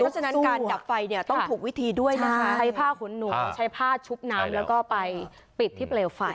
เพราะฉะนั้นการดับไฟเนี่ยต้องถูกวิธีด้วยนะคะใช้ผ้าขุนหนูใช้ผ้าชุบน้ำแล้วก็ไปปิดที่เปลวไฟ